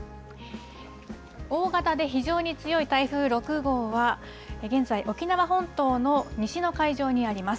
大型で非常に強い台風６号は、現在、沖縄本島の西の海上にあります。